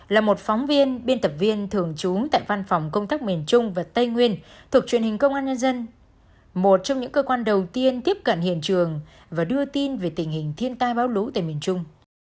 là một phóng viên biên tập viên thường trú tại văn phòng công tác miền trung và tây nguyên thuộc truyền hình công an nhân dân một trong những cơ quan đầu tiên tiếp cận hiện trường và đưa tin về tình hình thiên tai báo lũ tại miền trung